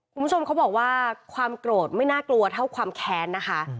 คุณผู้ชมเขาบอกว่าความโกรธไม่น่ากลัวเท่าความแค้นนะคะ